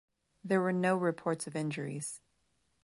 There were no reports of injuries.